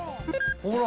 ほら。